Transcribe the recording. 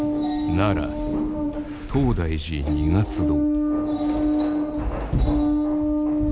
奈良東大寺二月堂。